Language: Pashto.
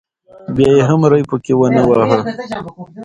بیا یې هم ری پکې ونه واهه.